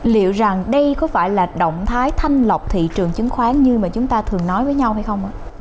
liệu rằng đây có phải là động thái thanh lọc thị trường chứng khoán như mà chúng ta thường nói với nhau hay không ạ